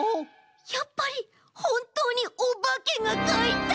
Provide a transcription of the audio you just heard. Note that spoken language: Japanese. やっぱりほんとうにおばけがかいた！？